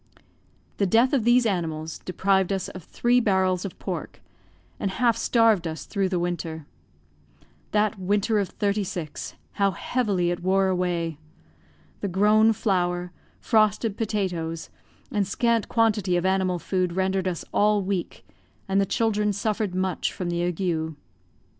The death of these animals deprived us of three barrels of pork, and half starved us through the winter. That winter of '36, how heavily it wore away! The grown flour, frosted potatoes, and scant quantity of animal food rendered us all weak, and the children suffered much from the ague.